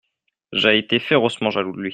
J'ai été férocement jaloux de lui.